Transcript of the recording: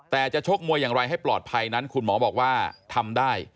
แต่จะชกมวยอย่างไรให้ปลอดภัยนั้นคุณหมอบอกว่าทำได้